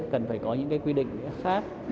cần phải có những quy định khác